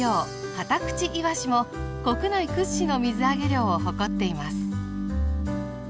カタクチイワシも国内屈指の水揚げ量を誇っています。